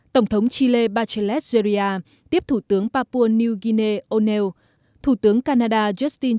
tổng thống chile bachelet geria tiếp thủ tướng papua new guinea o neill thủ tướng canada justin